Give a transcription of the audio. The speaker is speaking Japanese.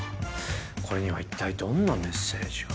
これには一体どんなメッセージが。